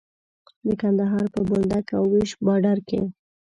د کندهار په بولدک او ويش باډر کې.